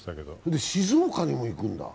で、静岡にも行くんだ。